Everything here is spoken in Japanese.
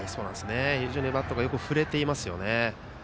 非常にバットがよく振れていますね。